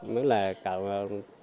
nó là cả